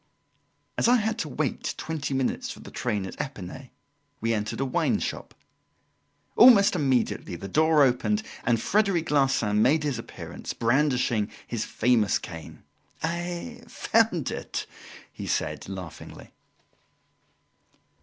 As I had to wait twenty minutes for the train at Epinay, we entered a wine shop. Almost immediately the door opened and Frederic Larsan made his appearance, brandishing his famous cane. "I found it!" he said laughingly.